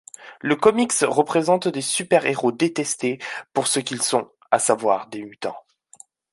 Le comics présente des super-héros détestés pour ce qu'ils sont, à savoir des mutants.